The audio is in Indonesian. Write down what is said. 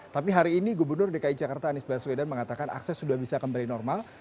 tapi hari ini gubernur dki jakarta anies baswedan mengatakan akses sudah bisa kembali normal